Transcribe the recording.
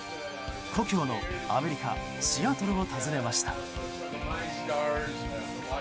故郷のアメリカ・シアトルを訪ねました。